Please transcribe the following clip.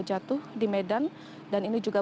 jatuh di medan dan ini juga